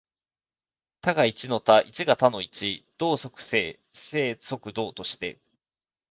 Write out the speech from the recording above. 多が一の多、一が多の一、動即静、静即動として、